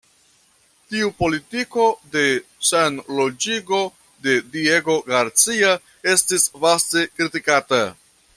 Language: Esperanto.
Tiu politiko de Senloĝigo de Diego Garcia estis vaste kritikata.